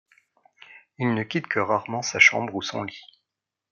Il ne quitte que rarement sa chambre ou son lit.